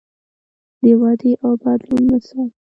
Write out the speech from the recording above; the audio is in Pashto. د ودې او بدلون مثال.